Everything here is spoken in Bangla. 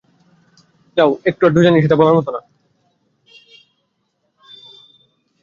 যা-ও একটু আধটু জানি, সেটা বলার মতো না।